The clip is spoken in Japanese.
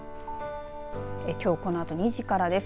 きょうこのあと２時からです。